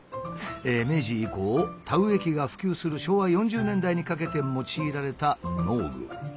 明治以降田植え機が普及する昭和４０年代にかけて用いられた農具。